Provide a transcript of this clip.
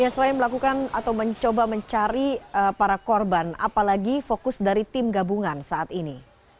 selain melakukan atau mencoba mencari para korban apalagi fokus dari tim gabungan saat ini